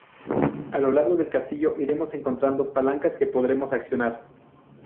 A lo largo del castillo iremos encontrando palancas que podremos accionar.